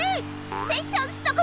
セッションしとく？